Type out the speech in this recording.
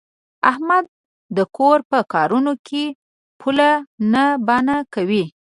احمد د کور په کارونو کې پوله نه بانه کوي.